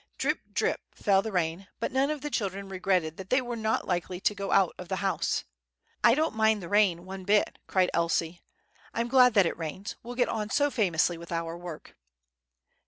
Drip, drip! fell the rain, but none of the children regretted that they were not likely to go out of the house. "I don't mind the rain one bit!" cried Elsie. "I'm glad that it rains; we'll get on so famously with our work!"